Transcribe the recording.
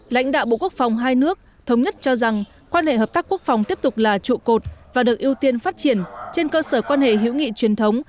lãnh đạo bộ quốc phòng hai nước thống nhất cho rằng quan hệ hợp tác quốc phòng tiếp tục là trụ cột và được ưu tiên phát triển trên cơ sở quan hệ hữu nghị truyền thống